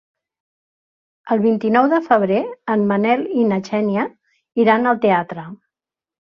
El vint-i-nou de febrer en Manel i na Xènia iran al teatre.